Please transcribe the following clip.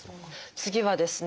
次はですね